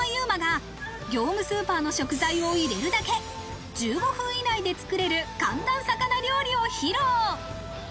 馬が業務スーパーの食材を入れるだけ、１５分以内で作れる簡単魚料理を披露。